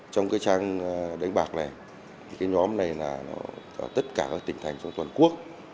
trong cái trang đánh bạc này thì cái nhóm này là ở tất cả các tỉnh thành trong toàn quốc